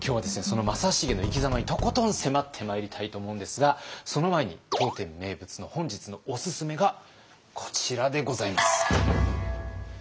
その正成の生きざまにとことん迫ってまいりたいと思うんですがその前に当店名物の本日のおすすめがこちらでございます。